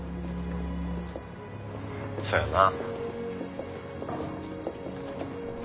そやな。